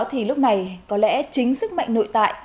thì lúc này có lẽ chính sức mạnh nội tại